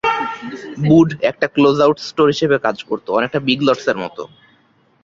বুড একটা closeout store হিসেবে কাজ করতো, অনেকটা বিগ লটস এর মত।